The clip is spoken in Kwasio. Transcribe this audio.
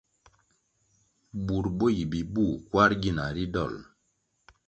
Bur bo yi bibuh kwarʼ gina ri dolʼ.